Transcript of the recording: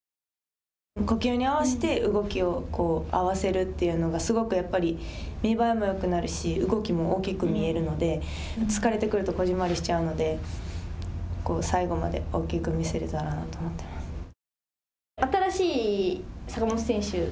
呼吸に合わせて動きを合わせるというのがすごくやっぱり見ばえもよくなるし、動きも大きく見えるので疲れてくると小ぢんまりしちゃうので最後まで大きく見せれたらなと新しい坂本選手